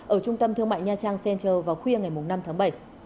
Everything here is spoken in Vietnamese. ở trung tâm thương mại nha trang center vào khuya ngày năm tháng bảy